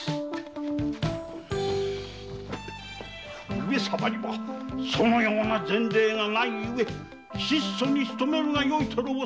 上様にはそのような前例がない故質素に努めるがよいとの事じゃ。